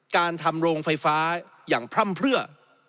การทำโรงไฟฟ้าอย่างพร่ำเพื่อ